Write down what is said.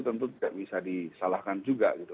tentu tidak bisa disalahkan juga gitu